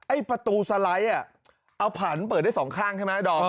ประตูสไลด์เอาผันเปิดได้สองข้างใช่ไหมดอม